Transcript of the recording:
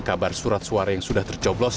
kabar surat suara yang sudah tercoblos